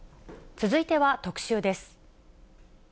続いては特集です。